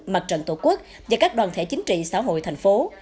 mặt trận tổ quốc và các đoàn thể chính trị xã hội thành phố